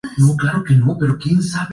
El filme es una versión histórica libre.